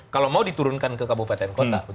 kalau mau diturunkan ke kabupaten kota